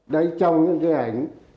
đấy trong những cái ảnh